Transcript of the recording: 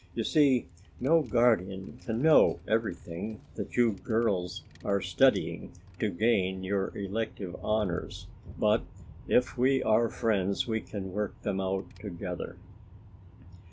You see no guardian can know everything that you girls are studying to gain your elective honors, but, if we are friends we can work them out together."